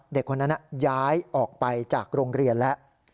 เด็กคนนั้นย้ายออกไปจากโรงเรียนแล้ว